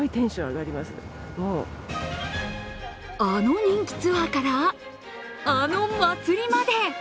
あの人気ツアーから、あの祭りまで。